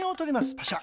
パシャ。